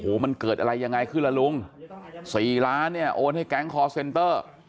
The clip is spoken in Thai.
โอ้โหมันเกิดอะไรยังไงขึ้นล่ะลุงสี่ล้านเนี่ยโอนให้แก๊งคอร์เซนเตอร์